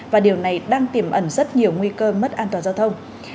và điều này đang tiềm ẩn rất nhiều nguy cơ mất an toàn giao thông